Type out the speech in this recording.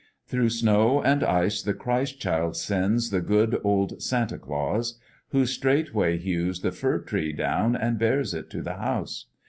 Through snow and ice the Christ child sends The good old Santa Klaus, Who straightway hews the fir tree down And bears it to the house.